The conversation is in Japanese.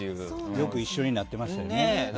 よく一緒になってましたよね。